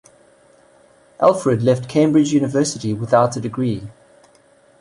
Alfred left Cambridge University without a degree.